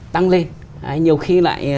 tăng lên nhiều khi lại